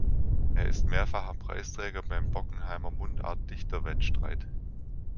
Er ist mehrfacher Preisträger beim Bockenheimer Mundart-Dichterwettstreit.